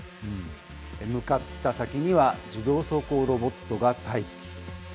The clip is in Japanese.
向かった先には、自動走行ロボットが待機。